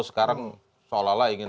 sekarang seolah olah ingin